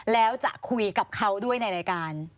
แล้วจะคุยกับเขาด้วยในรายการ